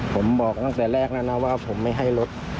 ผมบอกตั้งแต่แรกแล้วนะว่าผมไม่ให้รถ